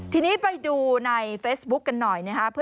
ทีนี้ไปดูในเฟซบุ๊กกันหน่อยนะครับ